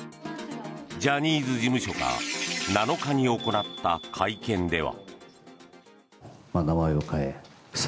ジャニーズ事務所が７日に行った会見では。